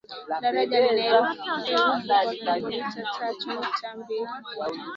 Daraja lina urefu wa kilomita tatu nukta mbili